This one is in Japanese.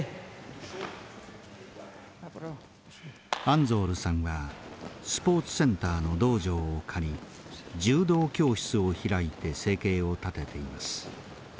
アンゾールさんはスポーツセンターの道場を借り柔道教室を開いて生計を立てています。